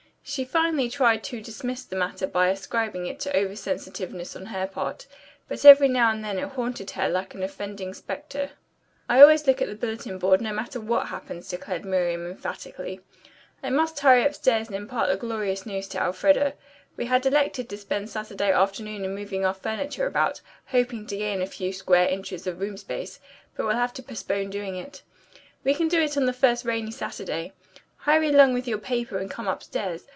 She finally tried to dismiss the matter by ascribing it to over sensitiveness on her part, but every now and then it haunted her like an offending spectre. "I always look at the bulletin board, no matter what happens," declared Miriam emphatically. "I must hurry upstairs and impart the glorious news to Elfreda. We had elected to spend Saturday afternoon in moving our furniture about, hoping to gain a few square inches of room space, but we'll have to postpone doing it. We can do it the first rainy Saturday. Hurry along with your paper and come upstairs.